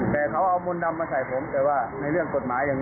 แต่เขาเอามํดำมาใส่ผมแต่ว่าในเรื่องกฎหมายก็แง่